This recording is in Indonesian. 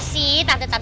saya udah makan